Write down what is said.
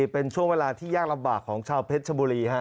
เป็นช่วงเวลาที่ยากลำบากของชาวเพชรชบุรี